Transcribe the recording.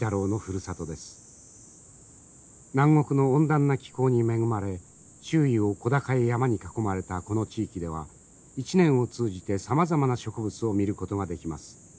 南国の温暖な気候に恵まれ周囲を小高い山に囲まれたこの地域では一年を通じてさまざまな植物を見ることができます。